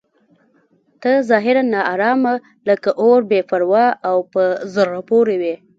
ته ظاهراً ناارامه لکه اور بې پروا او په زړه پورې وې.